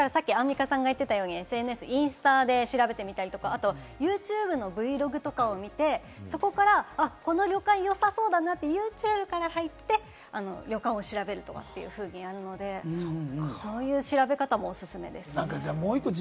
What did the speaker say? アンミカさんが言ってたようにＳＮＳ、インスタで調べてみたり、あとユーチューブのＶｌｏｇとかを見て、そこからこの旅館よさそうだなってユーチューブから入って、旅館を調べるとかというふうにやるので、そういう調べ方もおすすめです。